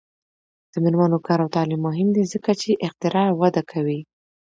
د میرمنو کار او تعلیم مهم دی ځکه چې اختراع وده کوي.